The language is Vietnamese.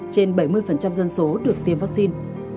trên bảy mươi dân số được tiêm vắc xin